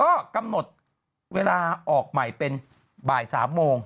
ก็กำหนดเวลาออกใหม่เป็นบ่าย๓โมง